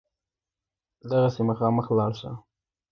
دغسې مخامخ لاړ شه.